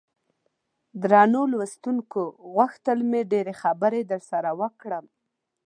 درنو لوستونکو غوښتل مې ډېرې خبرې درسره وکړم.